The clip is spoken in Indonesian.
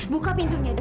buka pintunya dok